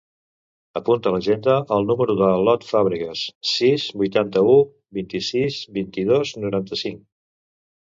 Apunta a l'agenda el número de l'Ot Fabregas: sis, vuitanta-u, vint-i-sis, vint-i-dos, noranta-cinc.